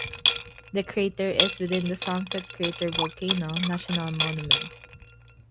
The crater is within the Sunset Crater Volcano National Monument.